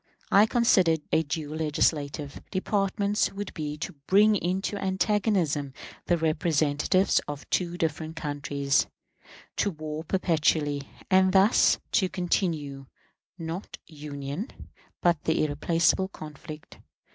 I consider a dual legislative department would be to bring into antagonism the representatives of two different countries, to war perpetually, and thus to continue, not union, but the irrepressible conflict.